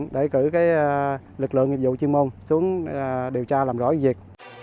điều tra làm rõ việc